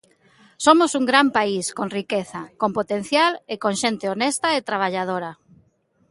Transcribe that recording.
Somos un gran país con riqueza, con potencial e con xente honesta e traballadora.